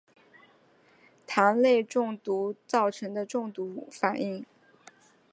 蕈类中毒造成的中毒反应。